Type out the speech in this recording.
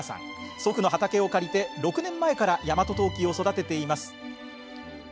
祖父の畑を借りて、６年前から大和当帰を育てています。